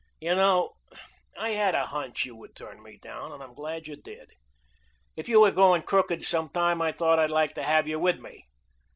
You know, I had a hunch you would turn me down, and I'm glad you did. If you were going crooked some time I thought I'd like to have you with me.